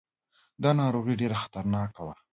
دا ناروغي ډېره خطرناکه وه.